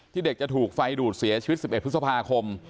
เด็กจะถูกไฟดูดเสียชีวิต๑๑พฤษภาคม